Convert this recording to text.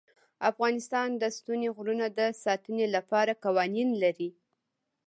افغانستان د ستوني غرونه د ساتنې لپاره قوانین لري.